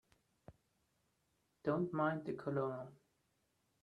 Don't mind the Colonel.